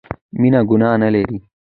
مينه ګناه نه لري